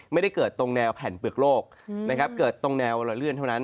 ไม่ได้เกิดตรงแนวแผ่นเปลือกโลกนะครับเกิดตรงแนวละเลื่อนเท่านั้น